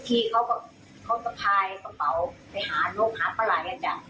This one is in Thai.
ที่ถนมป่ายาง